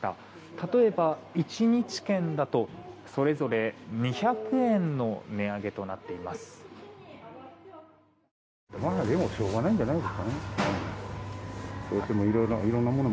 例えば、１日券だとそれぞれ２００円の値上げとなっています。